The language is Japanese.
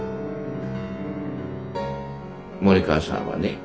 「森川さんはね